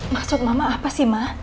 maksud mama apa sih ma